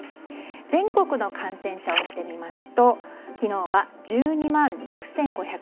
全国の感染者を見てみますと昨日は１２万６５７６人。